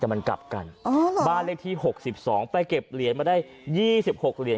มันกลับกันอ๋อเหรอบ้านเลขที่หกสิบสองไปเก็บเหรียญมาได้ยี่สิบหกเหรียญ